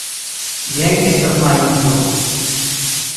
Jen estas maizo.